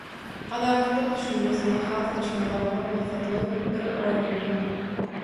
Azatlyk düşünjesine has içgin garamak maksatly bir oýlanma.